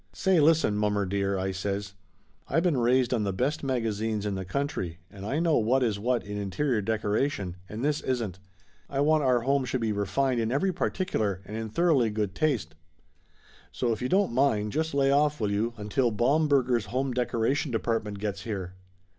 "Say listen, mommer dear," I says, "I been raised on the best magazines in the country and I know what is what in interior decoration, and this isn't. I want 200 Laughter Limited our home should be refined in every particular, and in thoroughly good taste. So if you don't mind, just lay off, will you, until Baumburger's Home Decoration Department gets here."